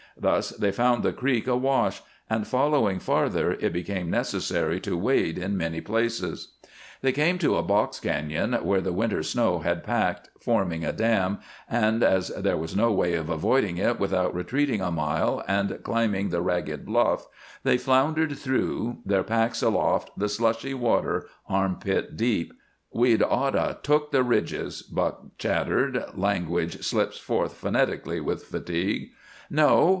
Thus they found the creek awash, and, following farther, it became necessary to wade in many places. They came to a box cañon where the winter snow had packed, forming a dam, and, as there was no way of avoiding it without retreating a mile and climbing the ragged bluff, they floundered through, their packs aloft, the slushy water armpit deep. "We'd ought 'a' took the ridges," Buck chattered. Language slips forth phonetically with fatigue. "No!